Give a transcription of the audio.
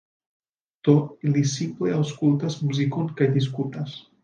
Do, ili simple aŭskultas muzikon kaj diskutas